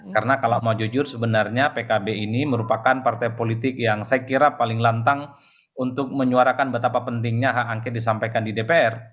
karena kalau mau jujur sebenarnya pkb ini merupakan partai politik yang saya kira paling lantang untuk menyuarakan betapa pentingnya hak angket disampaikan di dpr